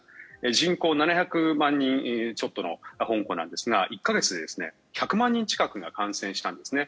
人口７００万人ちょっとの香港なんですが１か月で１００万人近くが感染したんですね。